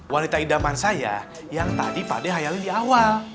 wanita idaman saya yang tadi pak ade hayati di awal